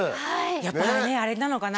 やっぱりねあれなのかな